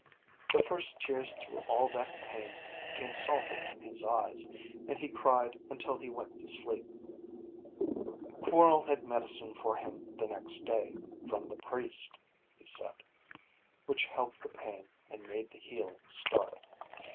The first tears through all that pain came salty in his eyes, and he cried until he went to sleep. Quorl had medicine for him the next day ("From the priest," he said.) which helped the pain and made the healing start.